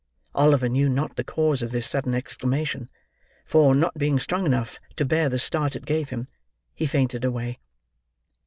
Oliver knew not the cause of this sudden exclamation; for, not being strong enough to bear the start it gave him, he fainted away.